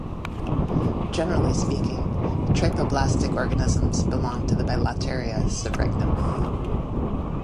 Generally speaking, triploblastic organisms belong to the Bilateria subregnum.